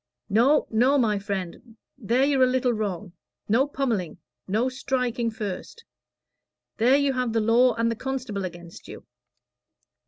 "No, no, my friend there you're a little wrong. No pommelling no striking first. There you have the law and the constable against you.